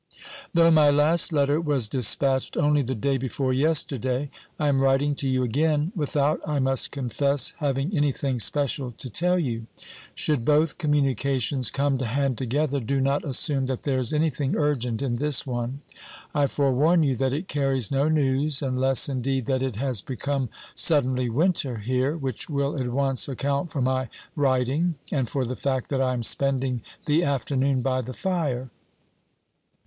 Though my last letter was despatched only the day before yesterday, I am writing to you again, without, I must confess, having anything special to tell you. Should both communications come to hand together, do not assume that there is anything urgent in this one; I fore warn you that it carries no news, unless indeed that it has become suddenly winter here, which will at once account for my writing, and for the fact that I am spending the afternoon by the fire.